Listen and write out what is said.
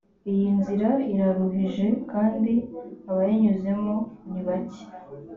iyi nzira iraruhije kandi abayinyuramo ni bake